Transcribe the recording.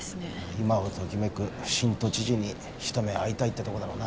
今をときめく新都知事に一目会いたいってとこだろうな